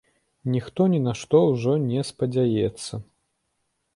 Ніхто ні на што ўжо не спадзяецца.